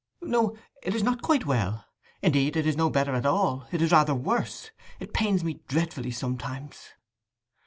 'No; it is not quite well. Indeed it is no better at all; it is rather worse. It pains me dreadfully sometimes.